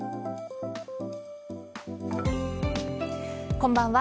こんばんは。